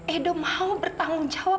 edo mau bertanggung jawab